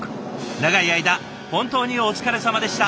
長い間本当にお疲れさまでした。